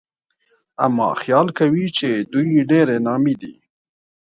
اما خيال کوي چې دوی ډېرې نامي دي